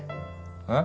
えっ？